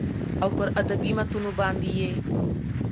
او پر ادبي متونو باندې يې